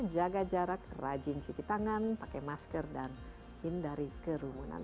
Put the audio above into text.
jaga jarak rajin cuci tangan pakai masker dan hindari kerumunan